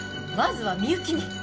まずはみゆきに！